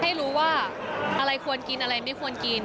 ให้รู้ว่าอะไรควรกินอะไรไม่ควรกิน